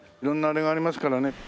色んなあれがありますからね。